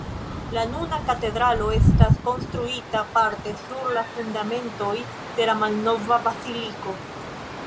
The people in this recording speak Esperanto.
La nuna katedralo estas konstruita parte sur la fundamentoj de la malnova baziliko.